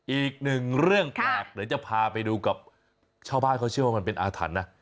อีกหนึ่งเรื่องแปลกเดี๋ยวจะพาไปดูกับชาวบ้านเขาเชื่อว่ามันเป็นอาถรรพ์นะ